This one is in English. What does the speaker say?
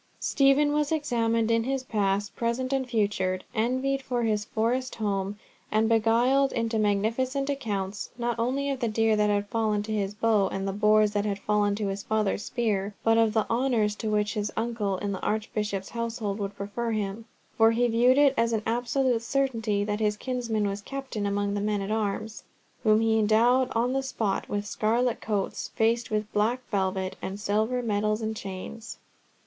Stephen was examined on his past, present, and future, envied for his Forest home, and beguiled into magnificent accounts, not only of the deer that had fallen to his bow and the boars that had fallen to his father's spear, but of the honours to which his uncle in the Archbishop's household would prefer him—for he viewed it as an absolute certainty that his kinsman was captain among the men at arms, whom he endowed on the spot with scarlet coats faced with black velvet, and silver medals and chains.